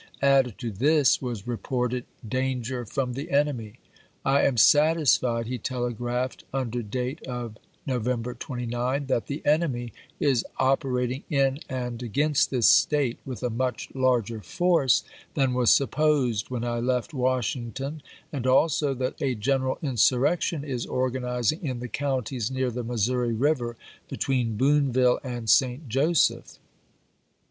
Added to this was reported danger from the enemy. " I am satisfied," he telegraphed under date of Nov ember 29, " that the enemy is operating in and against this State with a much larger force than was supposed when I left Washington, and also that a general insurrection is organizing in the counties near the Missouri River, between Boon ville and Saint Joseph.